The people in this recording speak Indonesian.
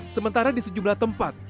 sementara di sejumlah tempat